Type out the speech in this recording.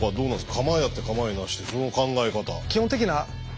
「構えあって構えなし」ってその考え方。